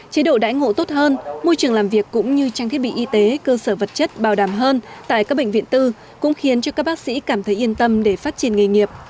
chế độ đãi ngộ tốt hơn môi trường làm việc cũng như trang thiết bị y tế cơ sở vật chất bảo đảm hơn tại các bệnh viện tư cũng khiến cho các bác sĩ cảm thấy yên tâm để phát triển nghề nghiệp